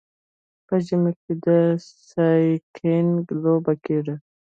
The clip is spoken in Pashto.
په ژمي کې د سکیینګ لوبه کیږي.